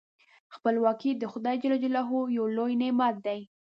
خپلواکي د خدای جل جلاله یو لوی نعمت دی.